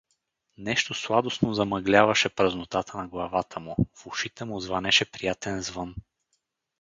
Нещо сладостно замъгляваше празнотата на главата му, в ушите му звънеше приятен звън.